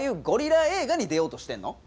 ゴリラ映画に出ようとしてるの？